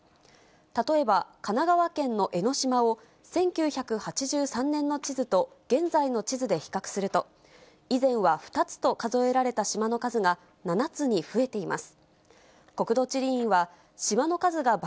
例えば、神奈川県の江の島を、１９８３年の地図と現在の地図で比較すると、以前は２つと数えられた島の数が７つに増えています。